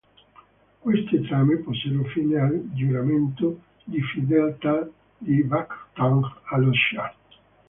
Queste trame posero fine al giuramento di fedeltà di Vakhtang allo scià.